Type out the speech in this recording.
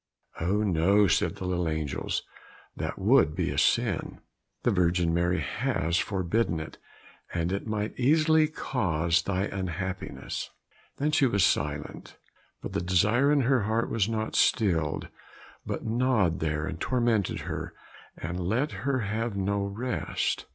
"Oh no," said the little angels, "that would be a sin. The Virgin Mary has forbidden it, and it might easily cause thy unhappiness." Then she was silent, but the desire in her heart was not stilled, but gnawed there and tormented her, and let her have no rest.